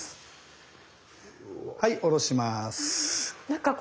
はい下ろします。